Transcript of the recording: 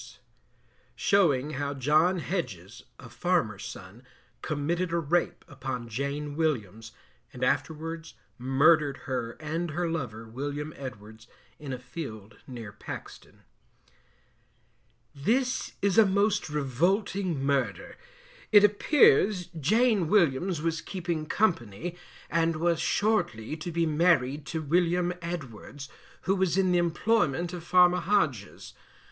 Showing how John Hedges, a farmer's son, committed a rape upon Jane Williams, and afterwards Murdered her and her lover, William Edwards, in a field near Paxton. This is a most revolting Murder. It appears Jane Williams was keeping company, and was shortly to be married to William Edwards, who was in the employment of Farmer Hodges.